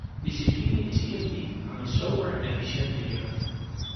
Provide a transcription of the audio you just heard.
Discipline is identiek aan een sober en efficiënt beheer.